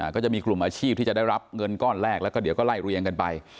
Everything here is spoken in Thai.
ก็จะมีกลุ่มอาชีพที่จะได้รับเงินก้อนแรกแล้วก็เดี๋ยวก็ไล่เรียงกันไป